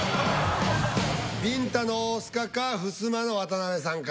びんたの大須賀かふすまの渡辺さんか。